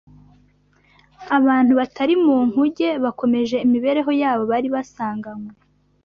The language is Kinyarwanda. ABANTU batari mu nkuge bakomeje imibereho yabo bari basanganywe